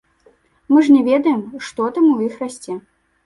Мы ж не ведаем, што там у іх расце.